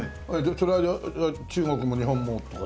それは中国も日本もって事？